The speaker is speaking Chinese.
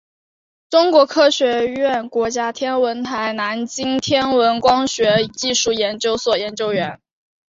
中国科学院国家天文台南京天文光学技术研究所研究员。